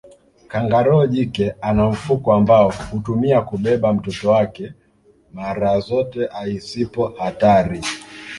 Kangaroo jike ana mfuko ambao hutumia kubebea mtoto wake mara zote ahisipo hatari